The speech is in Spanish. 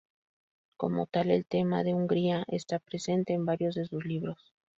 Como tal, el tema de Hungría, está presente en varios de sus libros.